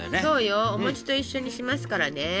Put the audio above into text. そうよお餅と一緒にしますからね。